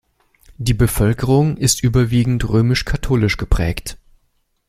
Die Bevölkerung ist überwiegend römisch-katholisch geprägt.